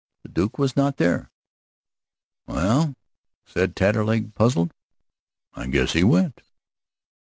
The Duke was not there. "Well," said Taterleg, puzzled, "I guess he's went."